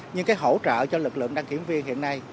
nhưng cái hỗ trợ cho lực lượng đăng kiểm viên hiện nay